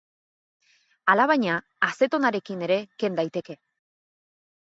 Alabaina, azetonarekin ere ken daiteke.